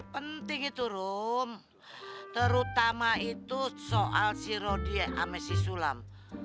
penting itu rum terutama itu soal si rodia sama si sulam